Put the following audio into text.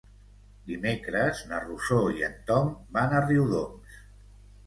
Dimecres na Rosó i en Tom van a Riudoms.